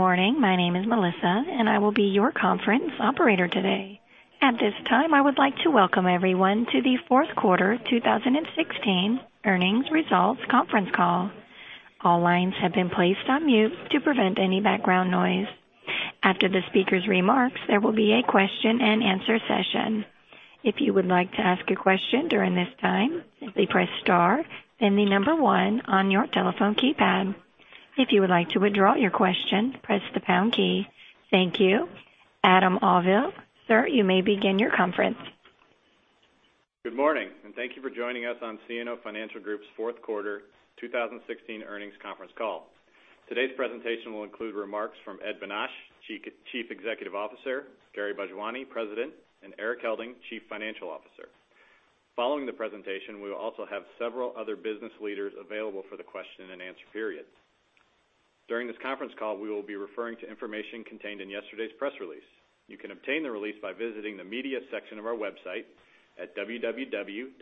Good morning. My name is Melissa, and I will be your conference operator today. At this time, I would like to welcome everyone to the fourth quarter 2016 earnings results conference call. All lines have been placed on mute to prevent any background noise. After the speaker's remarks, there will be a question and answer session. If you would like to ask a question during this time, simply press star, then the number 1 on your telephone keypad. If you would like to withdraw your question, press the pound key. Thank you. Adam Auvil, sir, you may begin your conference. Good morning, and thank you for joining us on CNO Financial Group's fourth quarter 2016 earnings conference call. Today's presentation will include remarks from Ed Bonach, Chief Executive Officer, Gary Bhojwani, President, and Erik Helding, Chief Financial Officer. Following the presentation, we will also have several other business leaders available for the question and answer period. During this conference call, we will be referring to information contained in yesterday's press release. You can obtain the release by visiting the media section of our website at www.cnoinc.com.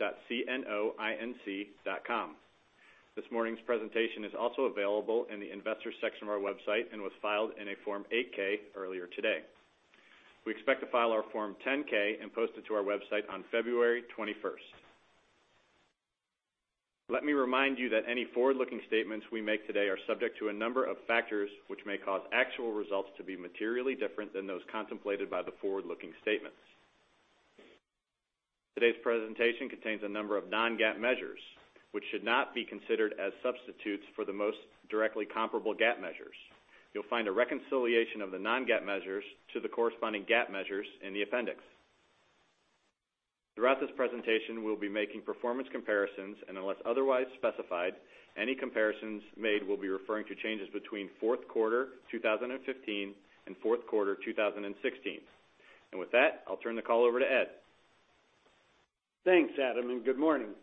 This morning's presentation is also available in the investor section of our website and was filed in a Form 8-K earlier today. We expect to file our Form 10-K and post it to our website on February 21st. Let me remind you that any forward-looking statements we make today are subject to a number of factors which may cause actual results to be materially different than those contemplated by the forward-looking statements. Today's presentation contains a number of non-GAAP measures, which should not be considered as substitutes for the most directly comparable GAAP measures. You'll find a reconciliation of the non-GAAP measures to the corresponding GAAP measures in the appendix. Throughout this presentation, we'll be making performance comparisons, and unless otherwise specified, any comparisons made will be referring to changes between fourth quarter 2015 and fourth quarter 2016. With that, I'll turn the call over to Ed. Thanks, Adam, and good morning.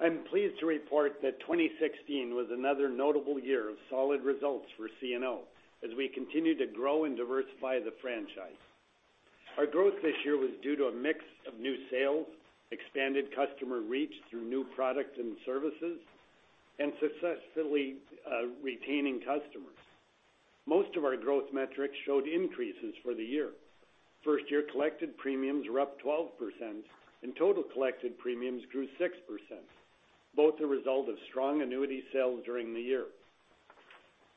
I'm pleased to report that 2016 was another notable year of solid results for CNO as we continue to grow and diversify the franchise. Our growth this year was due to a mix of new sales, expanded customer reach through new products and services, and successfully retaining customers. Most of our growth metrics showed increases for the year. First-year collected premiums were up 12%, and total collected premiums grew 6%, both a result of strong annuity sales during the year.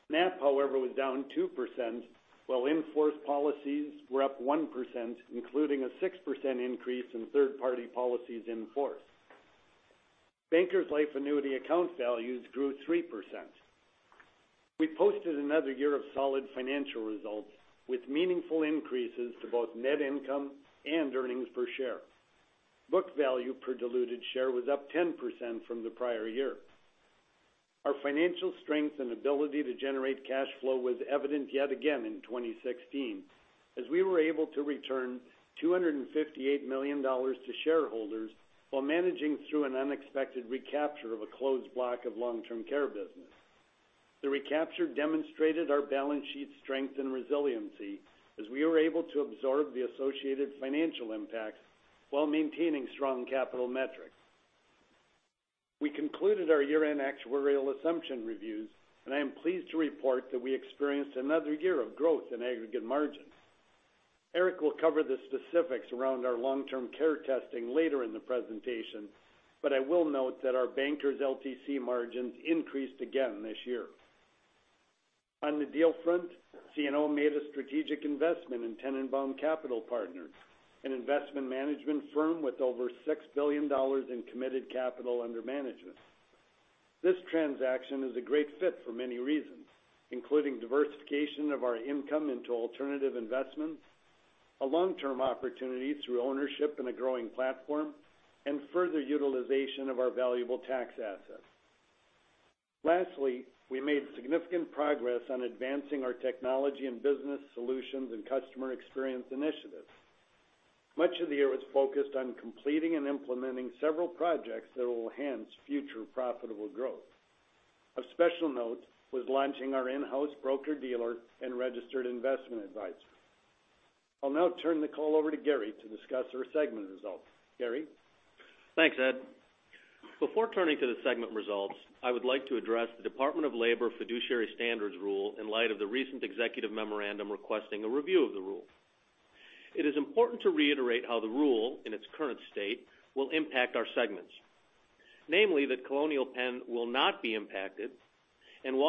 NAP, however, was down 2%, while in-force policies were up 1%, including a 6% increase in third-party policies in force. Bankers Life annuity account values grew 3%. We posted another year of solid financial results with meaningful increases to both net income and earnings per share. Book value per diluted share was up 10% from the prior year. Our financial strength and ability to generate cash flow was evident yet again in 2016, as we were able to return $258 million to shareholders while managing through an unexpected recapture of a closed block of long-term care business. The recapture demonstrated our balance sheet strength and resiliency as we were able to absorb the associated financial impacts while maintaining strong capital metrics. We concluded our year-end actuarial assumption reviews. I am pleased to report that we experienced another year of growth in aggregate margins. Erik will cover the specifics around our long-term care testing later in the presentation. I will note that our Bankers LTC margins increased again this year. On the deal front, CNO made a strategic investment in Tennenbaum Capital Partners, an investment management firm with over $6 billion in committed capital under management. This transaction is a great fit for many reasons, including diversification of our income into alternative investments, a long-term opportunity through ownership in a growing platform, and further utilization of our valuable tax assets. Lastly, we made significant progress on advancing our technology and business solutions and customer experience initiatives. Much of the year was focused on completing and implementing several projects that will enhance future profitable growth. Of special note was launching our in-house broker-dealer and registered investment advisor. I'll now turn the call over to Gary to discuss our segment results. Gary? Thanks, Ed. Before turning to the segment results, I would like to address the Department of Labor fiduciary standards rule in light of the recent executive memorandum requesting a review of the rule. It is important to reiterate how the rule, in its current state, will impact our segments. Namely, that Colonial Penn will not be impacted.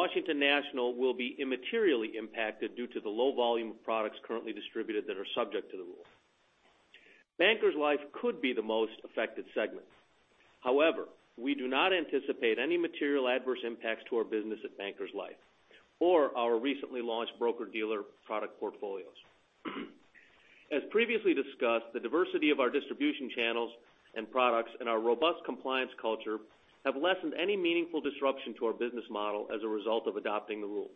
Washington National will be immaterially impacted due to the low volume of products currently distributed that are subject to the rule. Bankers Life could be the most affected segment. However, we do not anticipate any material adverse impacts to our business at Bankers Life or our recently launched broker-dealer product portfolios. As previously discussed, the diversity of our distribution channels and products and our robust compliance culture have lessened any meaningful disruption to our business model as a result of adopting the rule.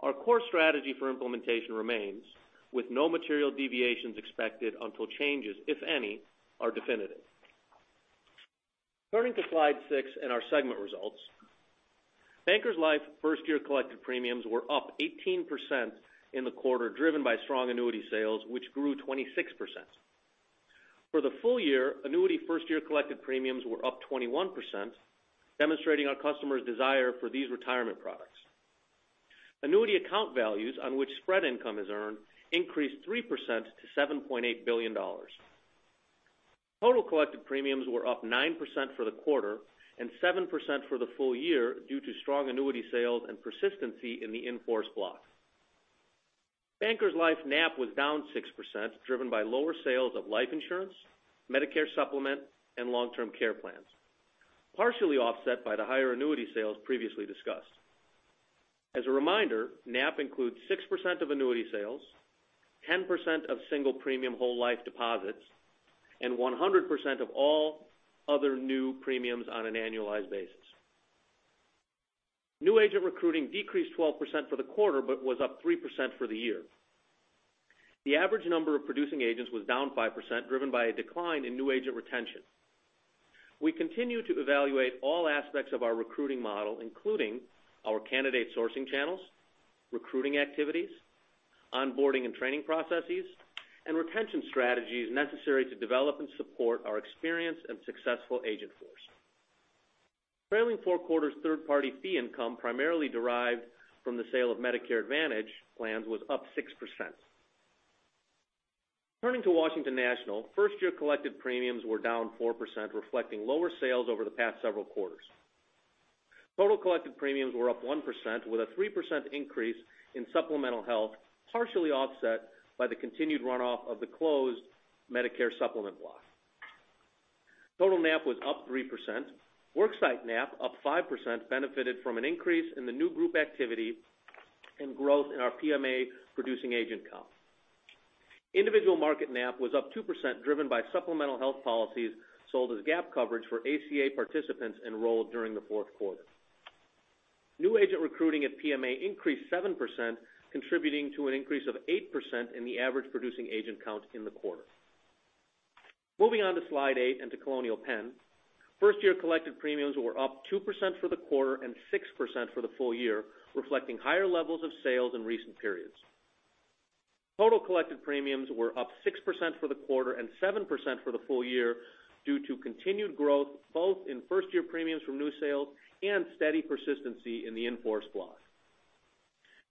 Our core strategy for implementation remains, with no material deviations expected until changes, if any, are definitive. Turning to slide six and our segment results. Bankers Life first-year collected premiums were up 18% in the quarter, driven by strong annuity sales, which grew 26%. For the full year, annuity first year collected premiums were up 21%, demonstrating our customers' desire for these retirement products. Annuity account values on which spread income is earned increased 3% to $7.8 billion. Total collected premiums were up 9% for the quarter and 7% for the full year due to strong annuity sales and persistency in the in-force block. Bankers Life NAP was down 6%, driven by lower sales of life insurance, Medicare Supplement, and long-term care plans, partially offset by the higher annuity sales previously discussed. As a reminder, NAP includes 6% of annuity sales, 10% of single premium whole life deposits, and 100% of all other new premiums on an annualized basis. New agent recruiting decreased 12% for the quarter but was up 3% for the year. The average number of producing agents was down 5%, driven by a decline in new agent retention. We continue to evaluate all aspects of our recruiting model, including our candidate sourcing channels, recruiting activities, onboarding and training processes, and retention strategies necessary to develop and support our experienced and successful agent force. Trailing four quarters third-party fee income, primarily derived from the sale of Medicare Advantage plans, was up 6%. Turning to Washington National, first year collected premiums were down 4%, reflecting lower sales over the past several quarters. Total collected premiums were up 1%, with a 3% increase in supplemental health, partially offset by the continued runoff of the closed Medicare Supplement block. Total NAP was up 3%. Worksite NAP up 5%, benefited from an increase in the new group activity and growth in our PMA producing agent count. Individual market NAP was up 2%, driven by supplemental health policies sold as gap coverage for ACA participants enrolled during the fourth quarter. New agent recruiting at PMA increased 7%, contributing to an increase of 8% in the average producing agent count in the quarter. Moving on to slide eight and to Colonial Penn. First-year collected premiums were up 2% for the quarter and 6% for the full year, reflecting higher levels of sales in recent periods. Total collected premiums were up 6% for the quarter and 7% for the full year due to continued growth both in first-year premiums from new sales and steady persistency in the in-force block.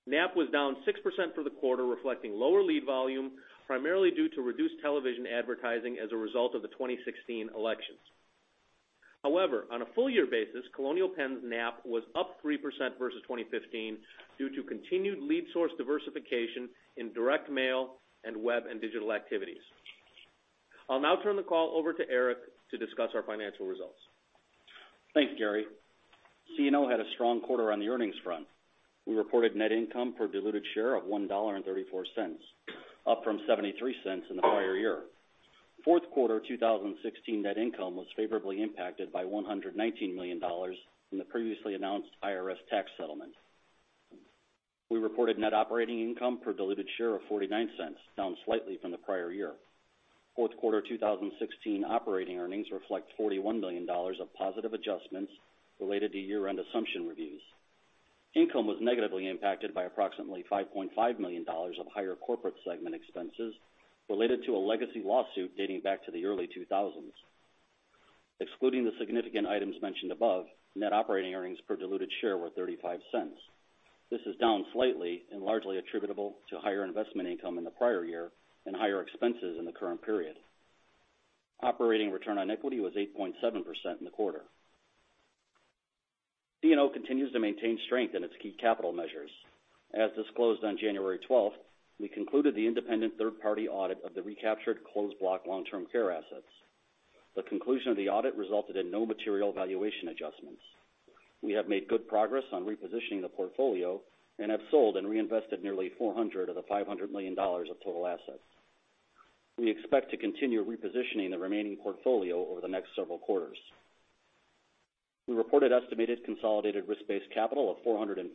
NAP was down 6% for the quarter, reflecting lower lead volume, primarily due to reduced television advertising as a result of the 2016 elections. On a full year basis, Colonial Penn's NAP was up 3% versus 2015 due to continued lead source diversification in direct mail and web and digital activities. I'll now turn the call over to Erik to discuss our financial results. Thanks, Gary. CNO had a strong quarter on the earnings front. We reported net income per diluted share of $1.34, up from $0.73 in the prior year. Fourth quarter 2016 net income was favorably impacted by $119 million from the previously announced IRS tax settlement. We reported net operating income per diluted share of $0.49, down slightly from the prior year. Fourth quarter 2016 operating earnings reflect $41 million of positive adjustments related to year-end assumption reviews. Income was negatively impacted by approximately $5.5 million of higher corporate segment expenses related to a legacy lawsuit dating back to the early 2000s. Excluding the significant items mentioned above, net operating earnings per diluted share were $0.35. This is down slightly and largely attributable to higher investment income in the prior year and higher expenses in the current period. Operating return on equity was 8.7% in the quarter. CNO continues to maintain strength in its key capital measures. As disclosed on January 12th, we concluded the independent third-party audit of the recaptured closed block long-term care assets. The conclusion of the audit resulted in no material valuation adjustments. We have made good progress on repositioning the portfolio and have sold and reinvested nearly $400 of the $500 million of total assets. We expect to continue repositioning the remaining portfolio over the next several quarters. We reported estimated consolidated risk-based capital of 459%,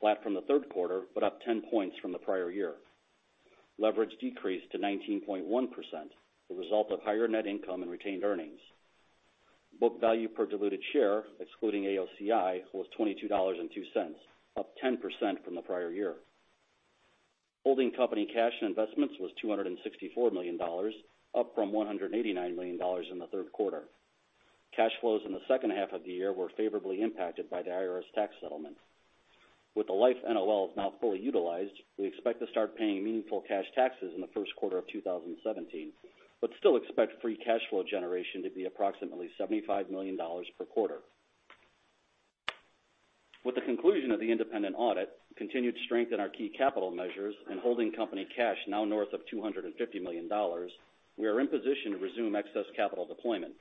flat from the third quarter, but up 10 points from the prior year. Leverage decreased to 19.1%, the result of higher net income and retained earnings. Book value per diluted share, excluding AOCI, was $22.02, up 10% from the prior year. Holding company cash and investments was $264 million, up from $189 million in the third quarter. Cash flows in the second half of the year were favorably impacted by the IRS tax settlement. With the life NOLs now fully utilized, we expect to start paying meaningful cash taxes in the first quarter of 2017, but still expect free cash flow generation to be approximately $75 million per quarter. With the conclusion of the independent audit, continued strength in our key capital measures, and holding company cash now north of $250 million, we are in position to resume excess capital deployment.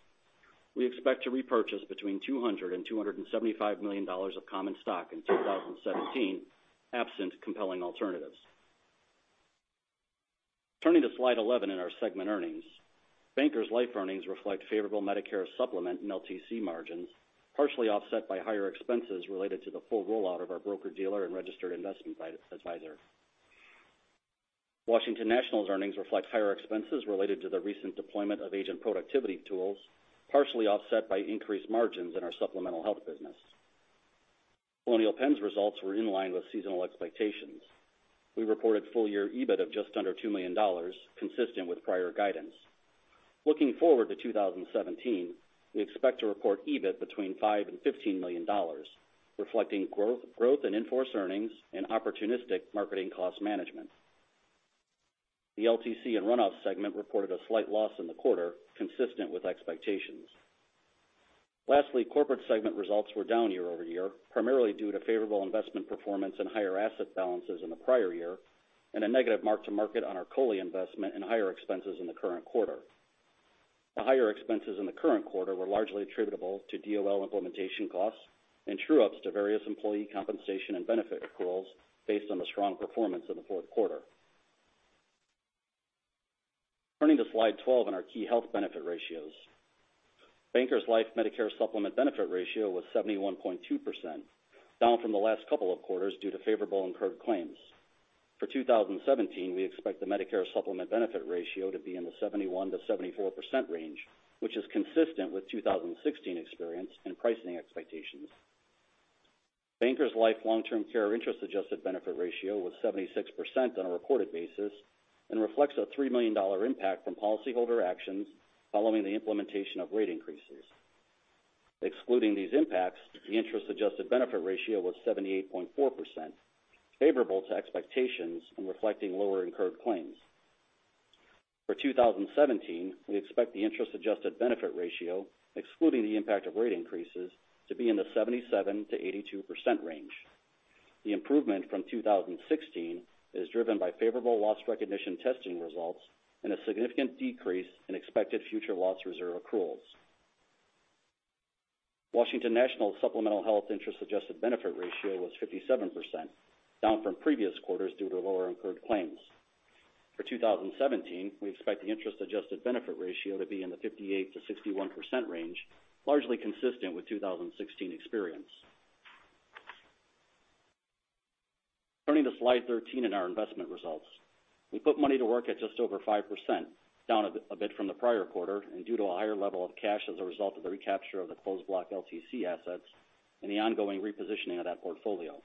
We expect to repurchase between $200 and $275 million of common stock in 2017, absent compelling alternatives. Turning to slide 11 in our segment earnings. Bankers Life earnings reflect favorable Medicare Supplement and LTC margins, partially offset by higher expenses related to the full rollout of our broker-dealer and registered investment advisor. Washington National's earnings reflect higher expenses related to the recent deployment of agent productivity tools, partially offset by increased margins in our supplemental health business. Colonial Penn's results were in line with seasonal expectations. We reported full-year EBIT of just under $2 million, consistent with prior guidance. Looking forward to 2017, we expect to report EBIT between $5 and $15 million, reflecting growth in in-force earnings and opportunistic marketing cost management. The LTC and Runoff segment reported a slight loss in the quarter, consistent with expectations. Lastly, corporate segment results were down year-over-year, primarily due to favorable investment performance and higher asset balances in the prior year, and a negative mark-to-market on our COLI investment and higher expenses in the current quarter. The higher expenses in the current quarter were largely attributable to DOL implementation costs and true-ups to various employee compensation and benefit accruals based on the strong performance in the fourth quarter. Turning to slide 12 on our key health benefit ratios. Bankers Life Medicare Supplement benefit ratio was 71.2%, down from the last couple of quarters due to favorable incurred claims. For 2017, we expect the Medicare Supplement benefit ratio to be in the 71%-74% range, which is consistent with 2016 experience and pricing expectations. Bankers Life long-term care interest adjusted benefit ratio was 76% on a reported basis, and reflects a $3 million impact from policyholder actions following the implementation of rate increases. Excluding these impacts, the interest-adjusted benefit ratio was 78.4%, favorable to expectations in reflecting lower incurred claims. For 2017, we expect the interest-adjusted benefit ratio, excluding the impact of rate increases, to be in the 77%-82% range. The improvement from 2016 is driven by favorable loss recognition testing results and a significant decrease in expected future loss reserve accruals. Washington National supplemental health interest adjusted benefit ratio was 57%, down from previous quarters due to lower incurred claims. For 2017, we expect the interest-adjusted benefit ratio to be in the 58%-61% range, largely consistent with 2016 experience. Turning to slide 13 in our investment results. We put money to work at just over 5%, down a bit from the prior quarter. Due to a higher level of cash as a result of the recapture of the closed block LTC assets and the ongoing repositioning of that portfolio.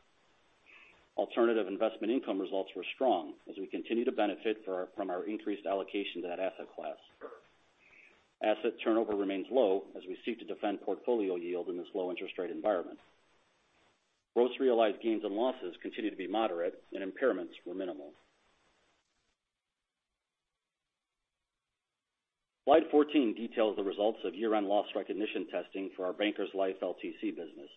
Alternative investment income results were strong as we continue to benefit from our increased allocation to that asset class. Asset turnover remains low as we seek to defend portfolio yield in this low interest rate environment. Gross realized gains and losses continue to be moderate and impairments were minimal. Slide 14 details the results of year-end loss recognition testing for our Bankers Life LTC business.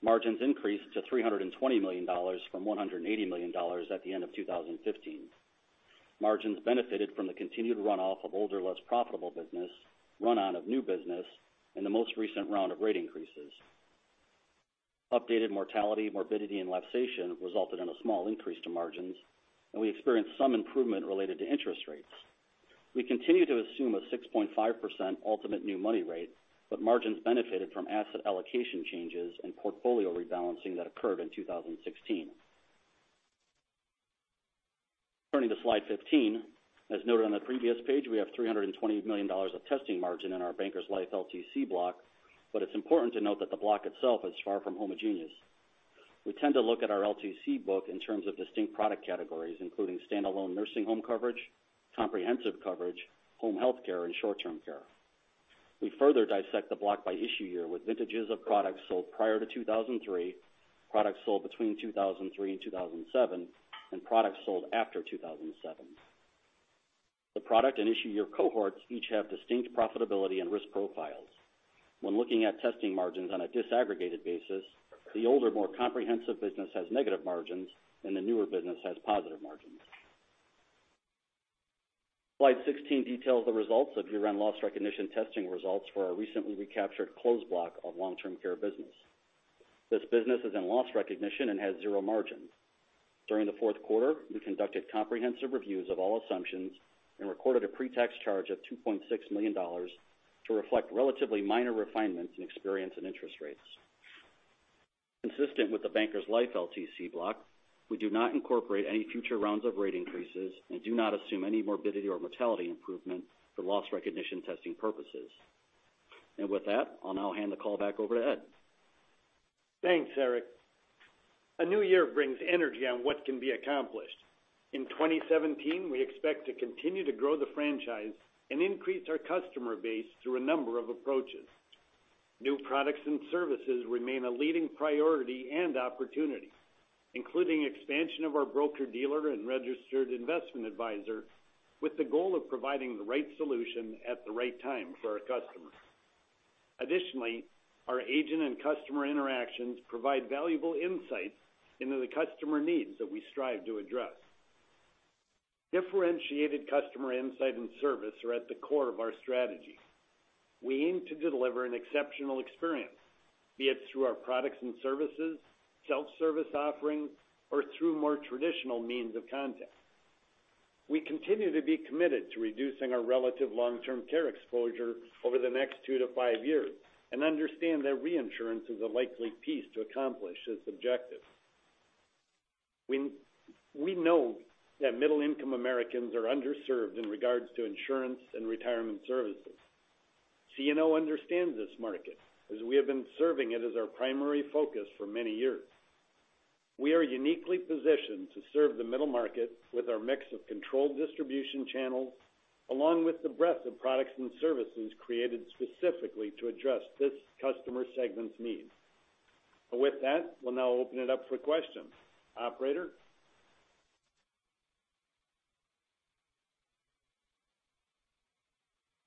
Margins increased to $320 million from $180 million at the end of 2015. Margins benefited from the continued runoff of older, less profitable business, run-out of new business, and the most recent round of rate increases. Updated mortality, morbidity, and lapsation resulted in a small increase to margins. We experienced some improvement related to interest rates. We continue to assume a 6.5% ultimate new money rate. Margins benefited from asset allocation changes and portfolio rebalancing that occurred in 2016. Turning to slide 15. As noted on the previous page, we have $320 million of testing margin in our Bankers Life LTC block. It's important to note that the block itself is far from homogeneous. We tend to look at our LTC book in terms of distinct product categories, including standalone nursing home coverage, comprehensive coverage, home health care, and short-term care. We further dissect the block by issue year with vintages of products sold prior to 2003, products sold between 2003 and 2007, and products sold after 2007. The product and issue year cohorts each have distinct profitability and risk profiles. When looking at testing margins on a disaggregated basis, the older, more comprehensive business has negative margins. The newer business has positive margins. Slide 16 details the results of year-end loss recognition testing results for our recently recaptured closed block of long-term care business. This business is in loss recognition and has zero margin. During the fourth quarter, we conducted comprehensive reviews of all assumptions and recorded a pre-tax charge of $2.6 million to reflect relatively minor refinements in experience and interest rates. Consistent with the Bankers Life LTC block, we do not incorporate any future rounds of rate increases and do not assume any morbidity or mortality improvement for loss recognition testing purposes. With that, I'll now hand the call back over to Ed. Thanks, Erik. A new year brings energy on what can be accomplished. In 2017, we expect to continue to grow the franchise and increase our customer base through a number of approaches. New products and services remain a leading priority and opportunity, including expansion of our broker-dealer and registered investment advisor, with the goal of providing the right solution at the right time for our customers. Additionally, our agent and customer interactions provide valuable insights into the customer needs that we strive to address. Differentiated customer insight and service are at the core of our strategy. We aim to deliver an exceptional experience, be it through our products and services, self-service offerings, or through more traditional means of contact. We continue to be committed to reducing our relative long-term care exposure over the next two to five years and understand that reinsurance is a likely piece to accomplish this objective. We know that middle-income Americans are underserved in regards to insurance and retirement services. CNO understands this market as we have been serving it as our primary focus for many years. We are uniquely positioned to serve the middle market with our mix of controlled distribution channels, along with the breadth of products and services created specifically to address this customer segment's needs. With that, we'll now open it up for questions.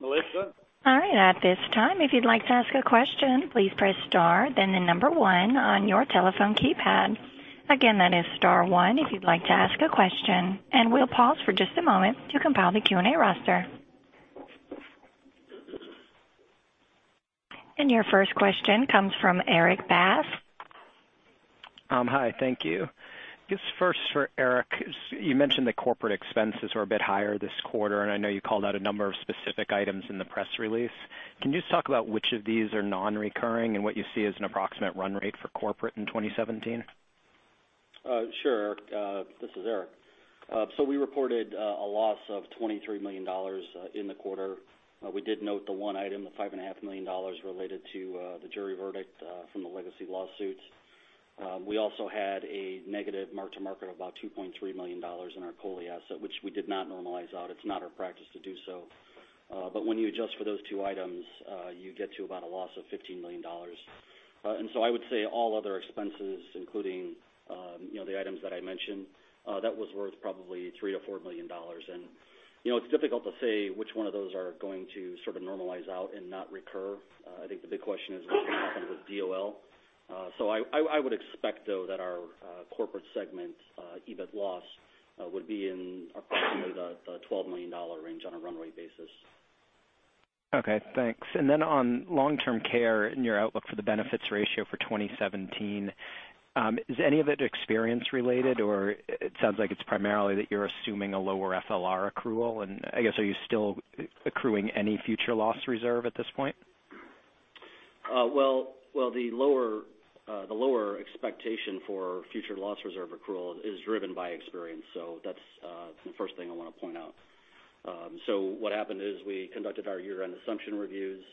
Operator? Melissa? All right. At this time, if you'd like to ask a question, please press star then the number 1 on your telephone keypad. Again, that is star 1 if you'd like to ask a question, and we'll pause for just a moment to compile the Q&A roster. Your first question comes from Erik Bass. Hi. Thank you. Just first for Erik, you mentioned the corporate expenses were a bit higher this quarter, and I know you called out a number of specific items in the press release. Can you just talk about which of these are non-recurring and what you see as an approximate run rate for corporate in 2017? Sure, Erik. This is Erik. We reported a loss of $23 million in the quarter. We did note the one item, the $5.5 million related to the jury verdict from the legacy lawsuits. We also had a negative mark-to-market of about $2.3 million in our COLI asset, which we did not normalize out. It's not our practice to do so. When you adjust for those two items, you get to about a loss of $15 million. I would say all other expenses, including the items that I mentioned, that was worth probably $3 million-$4 million. It's difficult to say which one of those are going to sort of normalize out and not recur. I think the big question is what's going to happen with DOL. I would expect, though, that our corporate segment EBIT loss would be in approximately the $12 million range on a run rate basis. Okay, thanks. On long-term care and your outlook for the benefits ratio for 2017, is any of it experience related or it sounds like it's primarily that you're assuming a lower FLR accrual and I guess are you still accruing any future loss reserve at this point? Well, the lower expectation for future loss reserve accrual is driven by experience. That's the first thing I want to point out. What happened is we conducted our year-end assumption reviews.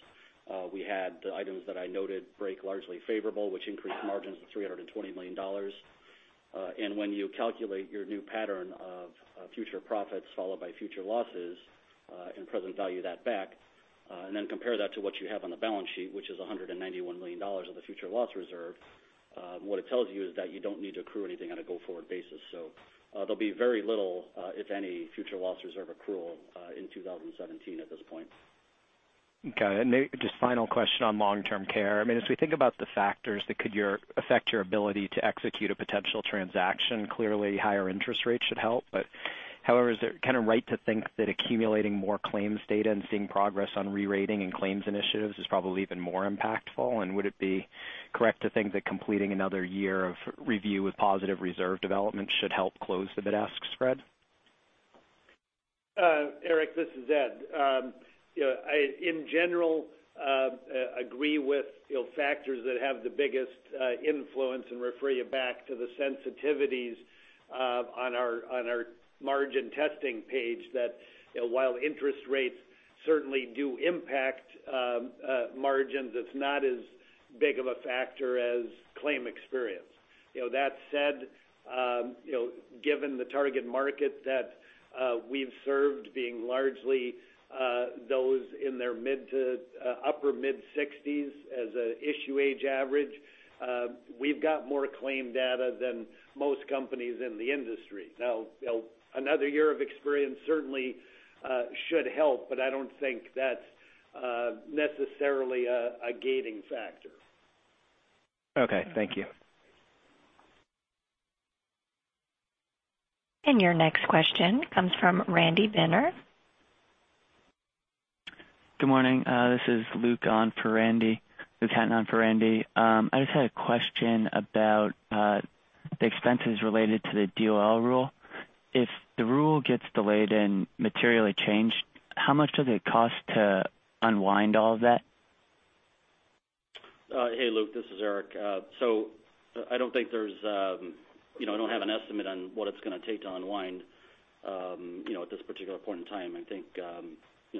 We had the items that I noted break largely favorable, which increased margins to $320 million. When you calculate your new pattern of future profits followed by future losses, and present value that back, and then compare that to what you have on the balance sheet, which is $191 million of the future loss reserve, what it tells you is that you don't need to accrue anything on a go-forward basis. There'll be very little, if any, future loss reserve accrual in 2017 at this point. Okay. Just final question on long-term care. As we think about the factors that could affect your ability to execute a potential transaction, clearly higher interest rates should help. However, is it kind of right to think that accumulating more claims data and seeing progress on re-rating and claims initiatives is probably even more impactful? Would it be correct to think that completing another year of review with positive reserve development should help close the bid-ask spread? Erik, this is Ed. I, in general, agree with factors that have the biggest influence and refer you back to the sensitivities on our margin testing page that while interest rates certainly do impact margins, it's not as big of a factor as claim experience. That said, given the target market that we've served being largely those in their mid to upper mid-60s as an issue age average, we've got more claim data than most companies in the industry. Another year of experience certainly should help, but I don't think that's necessarily a gating factor. Okay. Thank you. Your next question comes from Randy Binner. Good morning. This is Luke Hatten on for Randy. I just had a question about the expenses related to the DOL rule. If the rule gets delayed and materially changed, how much does it cost to unwind all of that? Hey, Luke. This is Erik. I don't have an estimate on what it's going to take to unwind at this particular point in time.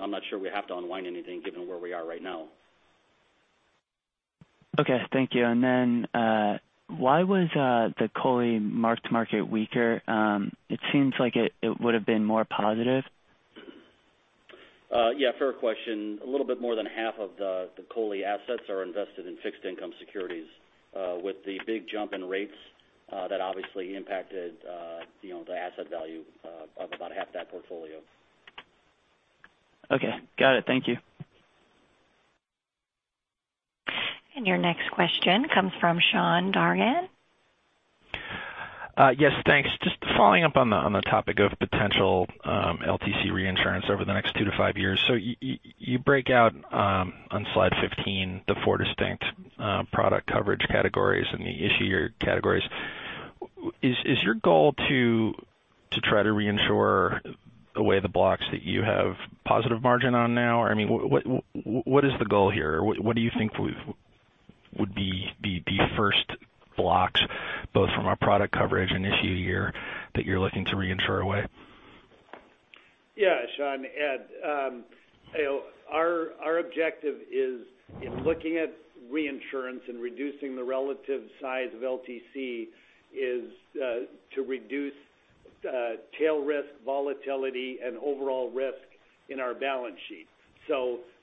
I'm not sure we have to unwind anything given where we are right now. Okay. Thank you. Why was the COLI mark-to-market weaker? It seems like it would have been more positive. Yeah, fair question. A little bit more than half of the COLI assets are invested in fixed income securities. With the big jump in rates, that obviously impacted the asset value of about half that portfolio. Okay. Got it. Thank you. Your next question comes from Sean Dargan. Yes, thanks. Just following up on the topic of potential LTC reinsurance over the next two to five years. You break out on slide 15 the four distinct product coverage categories and the issue year categories. Is your goal to try to reinsure away the blocks that you have positive margin on now? What is the goal here? What do you think would be the first blocks, both from a product coverage and issue year that you're looking to reinsure away? Yeah, Sean, Ed. Our objective is in looking at reinsurance and reducing the relative size of LTC is to reduce tail risk, volatility, and overall risk in our balance sheet.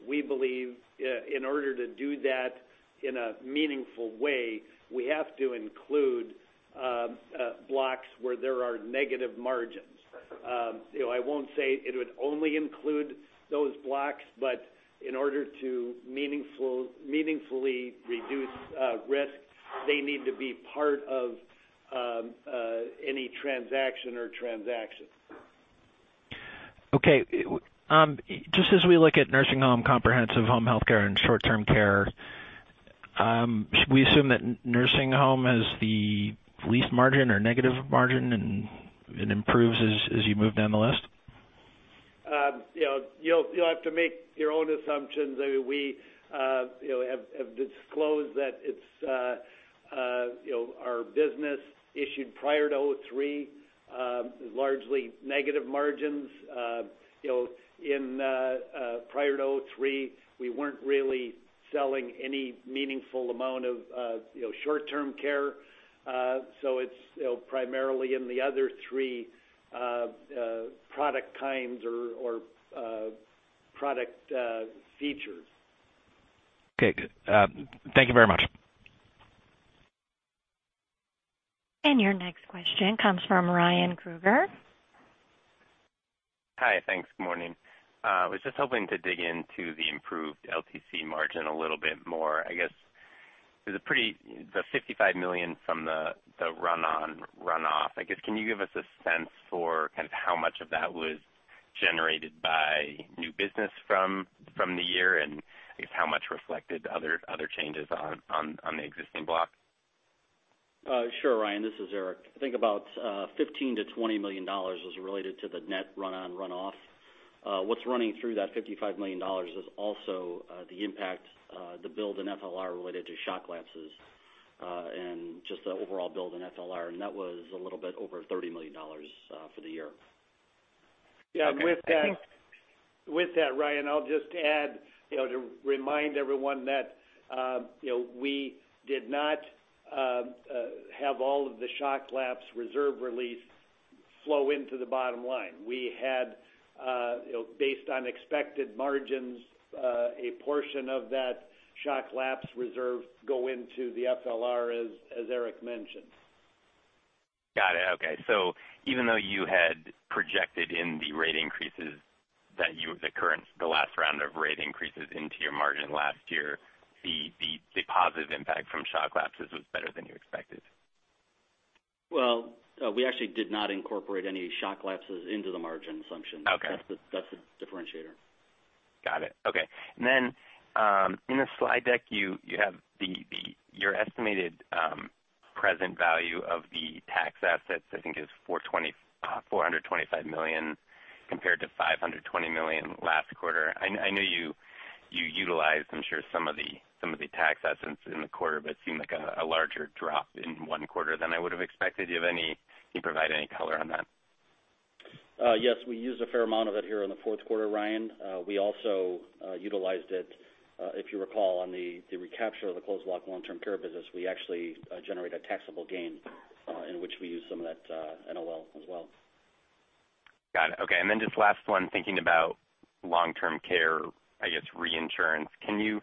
We believe in order to do that in a meaningful way, we have to include blocks where there are negative margins. I won't say it would only include those blocks, but in order to meaningfully reduce risk, they need to be part of any transaction or transactions. Okay. Just as we look at nursing home, comprehensive home healthcare, and short-term care, should we assume that nursing home has the least margin or negative margin, and it improves as you move down the list? You'll have to make your own assumptions. We have disclosed that our business issued prior to 2003 is largely negative margins. Prior to 2003, we weren't really selling any meaningful amount of short-term care. It's primarily in the other three product kinds or product features. Okay, good. Thank you very much. Your next question comes from Ryan Krueger. Hi. Thanks. Good morning. I was just hoping to dig into the improved LTC margin a little bit more. I guess the $55 million from the run-off, I guess, can you give us a sense for kind of how much of that was generated by new business from the year, and I guess how much reflected other changes on the existing block? Sure, Ryan, this is Erik. I think about $15 million-$20 million was related to the net run-on, run-off. What's running through that $55 million is also the impact, the build in FLR related to shock lapses, and just the overall build in FLR, and that was a little bit over $30 million for the year. Yeah. With that, Ryan, I'll just add to remind everyone that we did not have all of the shock lapse reserve release flow into the bottom line. We had, based on expected margins, a portion of that shock lapse reserve go into the FLR as Erik mentioned. Got it. Okay. Even though you had projected in the rate increases that the last round of rate increases into your margin last year, the positive impact from shock lapses was better than you expected. Well, we actually did not incorporate any shock lapses into the margin assumption. Okay. That's the differentiator. Got it. Okay. Then, in the slide deck, you have your estimated present value of the tax assets, I think is $425 million compared to $520 million last quarter. I know you utilized, I'm sure, some of the tax assets in the quarter, but it seemed like a larger drop in one quarter than I would've expected. Can you provide any color on that? Yes. We used a fair amount of it here in the fourth quarter, Ryan. We also utilized it, if you recall, on the recapture of the closed block long-term care business. We actually generate a taxable gain, in which we use some of that NOL as well. Got it. Okay. Just last one, thinking about long-term care, I guess, reinsurance. Can you,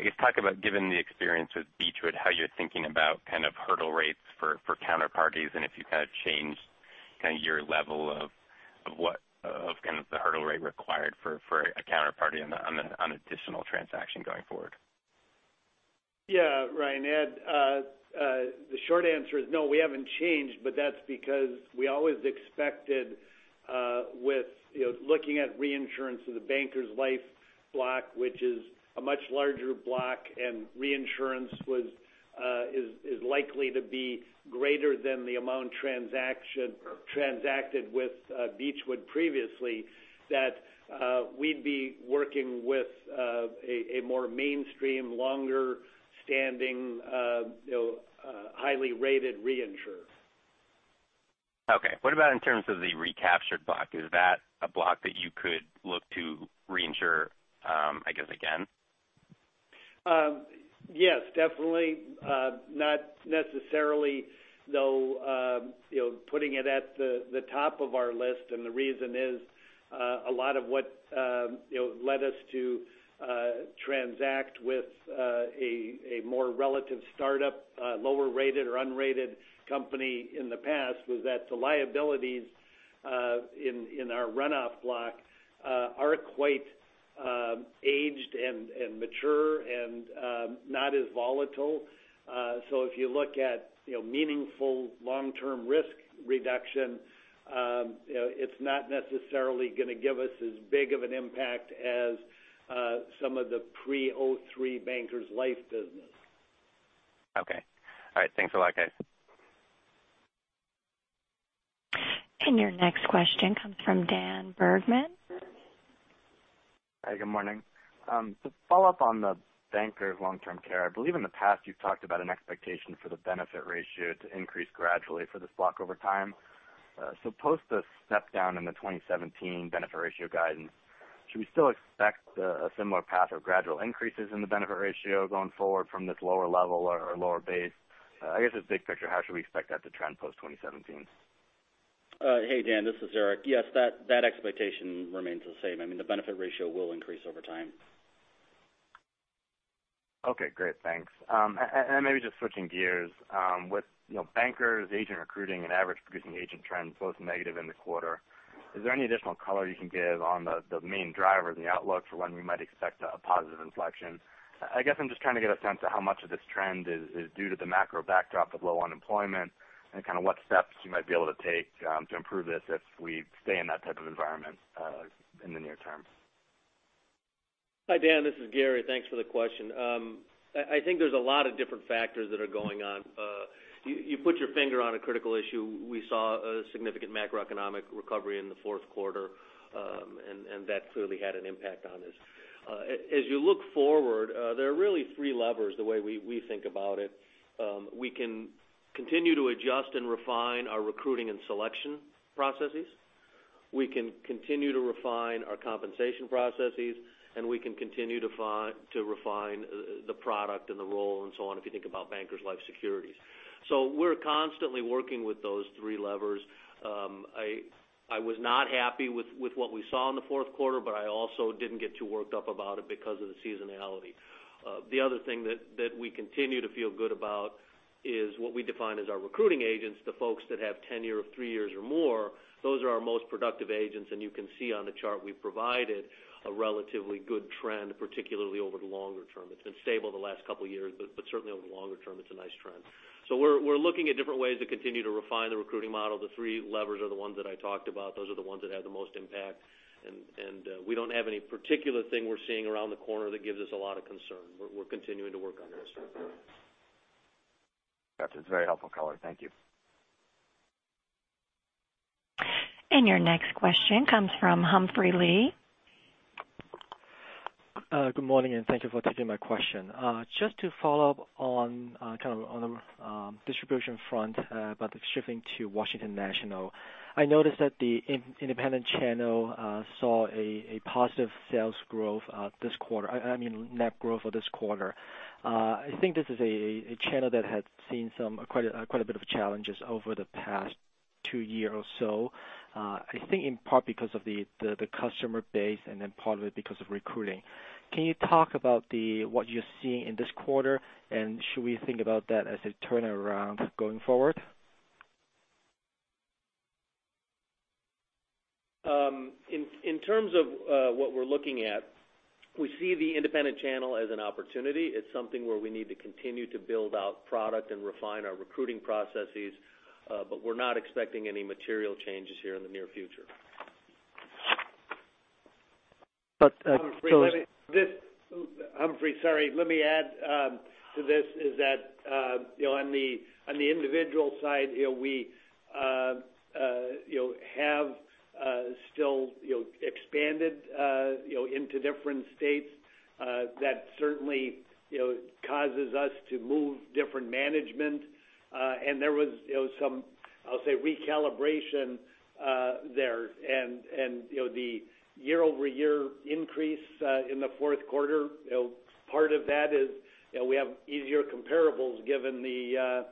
I guess, talk about given the experience with Beechwood, how you're thinking about hurdle rates for counterparties, and if you've kind of changed your level of what the hurdle rate required for a counterparty on additional transaction going forward? Yeah. Ryan, Ed. The short answer is no, we haven't changed, but that's because we always expected with looking at reinsurance of the Bankers Life block, which is a much larger block, and reinsurance is likely to be greater than the amount transacted with Beechwood previously, that we'd be working with a more mainstream, longer-standing, highly rated reinsurer. Okay. What about in terms of the recaptured block? Is that a block that you could look to reinsure, I guess, again? Yes, definitely. Not necessarily, though, putting it at the top of our list, and the reason is, a lot of what led us to transact with a more relative startup, lower rated or unrated company in the past was that the liabilities in our run-off block are quite aged and mature and not as volatile. If you look at meaningful long-term risk reduction, it's not necessarily going to give us as big of an impact as some of the pre-'03 Bankers Life business. Okay. All right. Thanks a lot, guys. Your next question comes from Daniel Bergman. Hi, good morning. To follow up on the Bankers Long Term Care, I believe in the past you've talked about an expectation for the benefit ratio to increase gradually for this block over time. Post the step down in the 2017 benefit ratio guidance, should we still expect a similar path of gradual increases in the benefit ratio going forward from this lower level or lower base? Just big picture, how should we expect that to trend post 2017? Hey, Dan, this is Erik. Yes, that expectation remains the same. I mean, the benefit ratio will increase over time. Okay, great. Thanks. Maybe just switching gears, with Bankers Life agent recruiting and average producing agent trends both negative in the quarter, is there any additional color you can give on the main drivers and the outlook for when we might expect a positive inflection? I guess I'm just trying to get a sense of how much of this trend is due to the macro backdrop of low unemployment and kind of what steps you might be able to take to improve this if we stay in that type of environment in the near term. Hi, Dan, this is Gary. Thanks for the question. I think there's a lot of different factors that are going on. You put your finger on a critical issue. We saw a significant macroeconomic recovery in the fourth quarter, and that clearly had an impact on this. As you look forward, there are really three levers the way we think about it. We can continue to adjust and refine our recruiting and selection processes, we can continue to refine our compensation processes, and we can continue to refine the product and the role and so on, if you think about Bankers Life Securities, Inc. We're constantly working with those three levers. I was not happy with what we saw in the fourth quarter, but I also didn't get too worked up about it because of the seasonality. The other thing that we continue to feel good about is what we define as our recruiting agents, the folks that have tenure of three years or more, those are our most productive agents, and you can see on the chart we've provided a relatively good trend, particularly over the longer term. It's been stable the last couple of years, but certainly over the longer term, it's a nice trend. We're looking at different ways to continue to refine the recruiting model. The three levers are the ones that I talked about. Those are the ones that have the most impact, and we don't have any particular thing we're seeing around the corner that gives us a lot of concern. We're continuing to work on that. Got you. It's a very helpful color. Thank you. Your next question comes from Humphrey Lee. Good morning. Thank you for taking my question. Just to follow up on kind of on the distribution front, shifting to Washington National. I noticed that the independent channel saw a positive sales growth this quarter. I mean, net growth for this quarter. I think this is a channel that had seen quite a bit of challenges over the past two years or so, I think in part because of the customer base and then partly because of recruiting. Can you talk about what you're seeing in this quarter, and should we think about that as a turnaround going forward? In terms of what we're looking at, we see the independent channel as an opportunity. It's something where we need to continue to build out product and refine our recruiting processes. We're not expecting any material changes here in the near future. But- Humphrey, sorry, let me add to this, is that on the individual side, we have still expanded into different states. That certainly causes us to move different management. There was some, I'll say, recalibration there. The year-over-year increase in the fourth quarter, part of that is we have easier comparables given the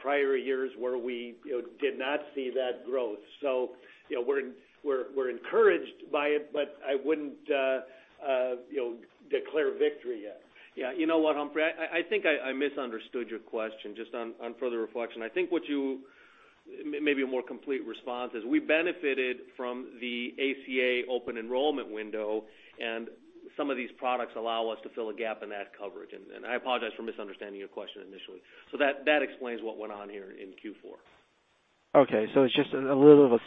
prior years where we did not see that growth. We're encouraged by it, but I wouldn't declare victory yet. Yeah. You know what, Humphrey? I think I misunderstood your question, just on further reflection. I think maybe a more complete response is we benefited from the ACA open enrollment window, and some of these products allow us to fill a gap in that coverage. I apologize for misunderstanding your question initially. That explains what went on here in Q4. Okay, it's just a little of a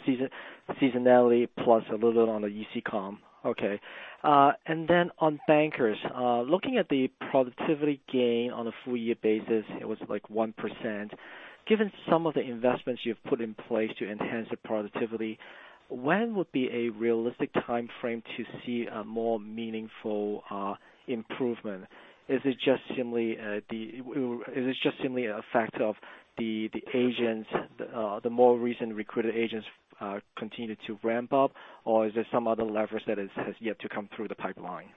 seasonality plus a little bit on the easy comps. Okay. On Bankers Life, looking at the productivity gain on a full year basis, it was like 1%. Given some of the investments you've put in place to enhance the productivity, when would be a realistic timeframe to see a more meaningful improvement? Is it just simply a fact of the agents, the more recent recruited agents continue to ramp up, or is there some other leverage that has yet to come through the pipeline?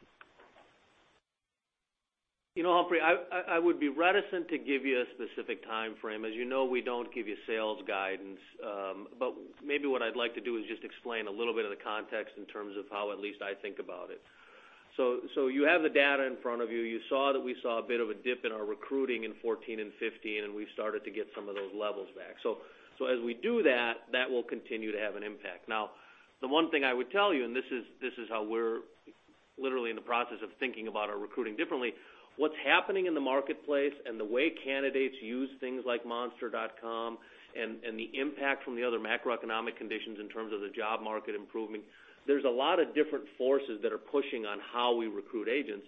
Humphrey, I would be reticent to give you a specific timeframe. As you know, we don't give you sales guidance. Maybe what I'd like to do is just explain a little bit of the context in terms of how at least I think about it. You have the data in front of you. You saw that we saw a bit of a dip in our recruiting in 2014 and 2015, and we started to get some of those levels back. As we do that will continue to have an impact. Now, the one thing I would tell you, and this is how we're literally in the process of thinking about our recruiting differently, what's happening in the marketplace and the way candidates use things like Monster.com and the impact from the other macroeconomic conditions in terms of the job market improving, there's a lot of different forces that are pushing on how we recruit agents.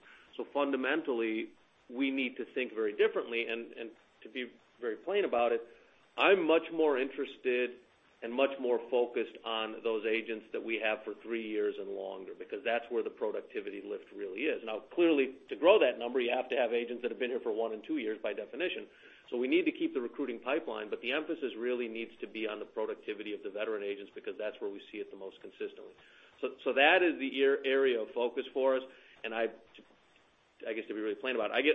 Fundamentally, we need to think very differently. To be very plain about it, I'm much more interested Much more focused on those agents that we have for three years and longer, because that's where the productivity lift really is. Clearly, to grow that number, you have to have agents that have been here for one and two years by definition. We need to keep the recruiting pipeline, but the emphasis really needs to be on the productivity of the veteran agents, because that's where we see it the most consistently. That is the area of focus for us. I guess to be really plain about it,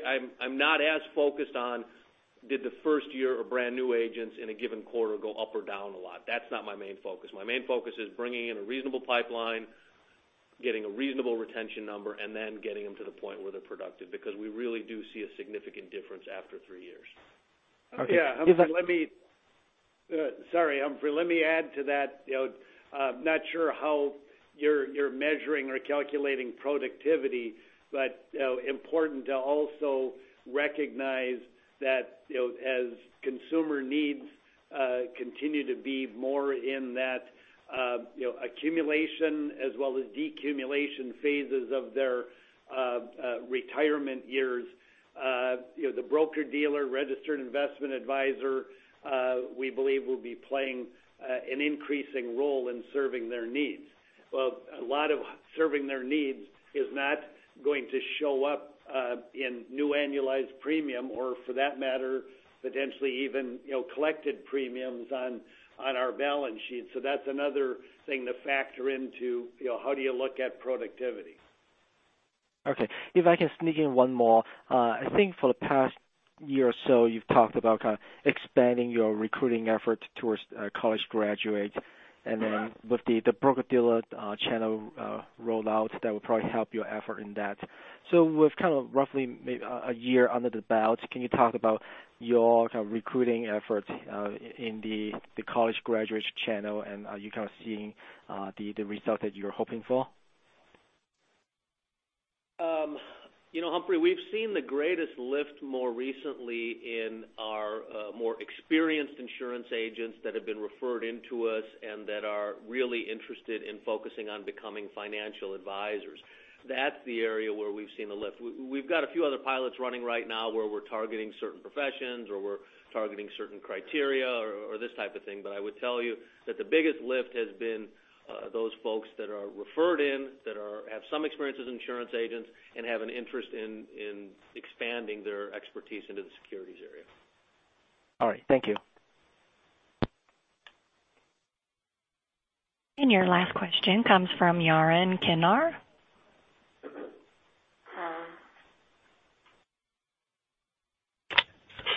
I'm not as focused on, did the first year of brand new agents in a given quarter go up or down a lot? That's not my main focus. My main focus is bringing in a reasonable pipeline, getting a reasonable retention number, and then getting them to the point where they're productive, because we really do see a significant difference after three years. Okay, yeah. Sorry, Humphrey. Let me add to that. I'm not sure how you're measuring or calculating productivity, but important to also recognize that as consumer needs continue to be more in that accumulation as well as decumulation phases of their retirement years, the broker-dealer registered investment advisor, we believe, will be playing an increasing role in serving their needs. Well, a lot of serving their needs is not going to show up in new annualized premium, or for that matter, potentially even collected premiums on our balance sheet. That's another thing to factor into how do you look at productivity. Okay. If I can sneak in one more. I think for the past year or so, you've talked about kind of expanding your recruiting effort towards college graduates, and then with the broker-dealer channel rollout, that will probably help your effort in that. With kind of roughly maybe a year under the belt, can you talk about your recruiting efforts in the college graduates channel and are you kind of seeing the result that you're hoping for? Humphrey, we've seen the greatest lift more recently in our more experienced insurance agents that have been referred to us and that are really interested in focusing on becoming financial advisors. That's the area where we've seen the lift. We've got a few other pilots running right now where we're targeting certain professions or we're targeting certain criteria or this type of thing. I would tell you that the biggest lift has been those folks that are referred in, that have some experience as insurance agents and have an interest in expanding their expertise into the securities area. All right. Thank you. Your last question comes from Yaron Kinar.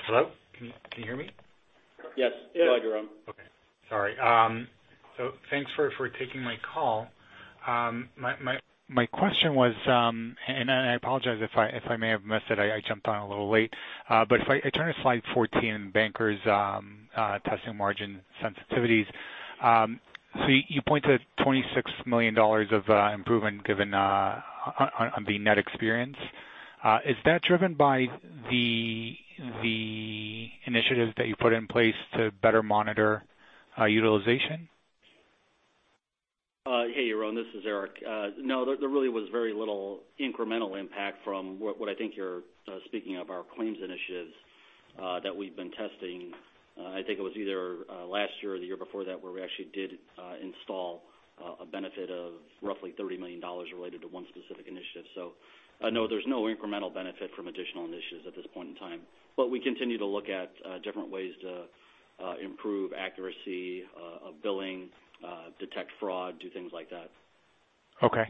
Hello? Can you hear me? Yes. Go ahead, Yaron. Okay. Sorry. Thanks for taking my call. My question was, I apologize if I may have missed it, I jumped on a little late. If I turn to slide 14, Bankers Life testing margin sensitivities. You point to $26 million of improvement given on the net experience. Is that driven by the initiatives that you put in place to better monitor utilization? Hey, Yaron, this is Erik. No, there really was very little incremental impact from what I think you're speaking of, our claims initiatives that we've been testing. I think it was either last year or the year before that where we actually did install a benefit of roughly $30 million related to one specific initiative. No, there's no incremental benefit from additional initiatives at this point in time. We continue to look at different ways to improve accuracy of billing, detect fraud, do things like that. Okay.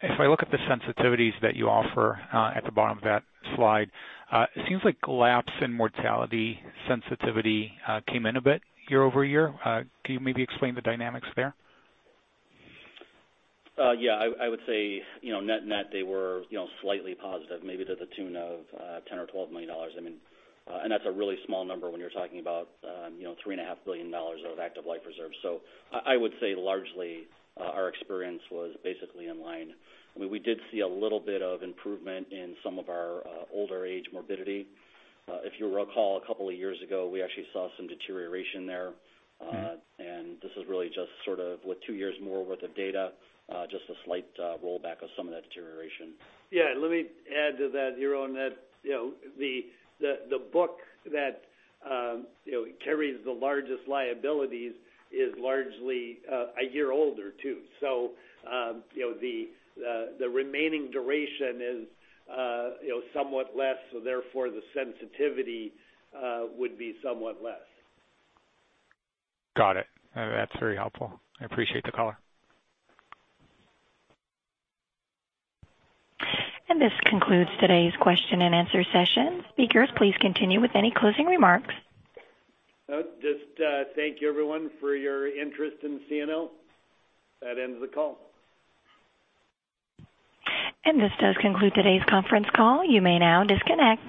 If I look at the sensitivities that you offer at the bottom of that slide, it seems like lapse in mortality sensitivity came in a bit year-over-year. Can you maybe explain the dynamics there? Yeah, I would say net-net, they were slightly positive, maybe to the tune of $10 or $12 million. That's a really small number when you're talking about $3.5 billion of active life reserves. I would say largely our experience was basically in line. We did see a little bit of improvement in some of our older age morbidity. If you'll recall, a couple of years ago, we actually saw some deterioration there. This is really just sort of with two years more worth of data, just a slight rollback of some of that deterioration. Yeah, let me add to that, Yaron, that the book that carries the largest liabilities is largely a year older, too. The remaining duration is somewhat less, so therefore, the sensitivity would be somewhat less. Got it. That's very helpful. I appreciate the color. This concludes today's question and answer session. Speakers, please continue with any closing remarks. No, just thank you everyone for your interest in CNO. That ends the call. This does conclude today's conference call. You may now disconnect.